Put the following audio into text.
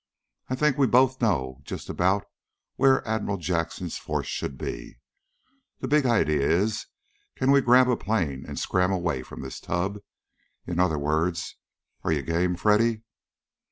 "I think we both know just about where Admiral Jackson's force should be. The big idea is, can we grab a plane and scram away from this tub? In other words, are you game, Freddy?"